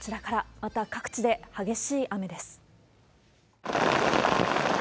また各地で、激しい雨です。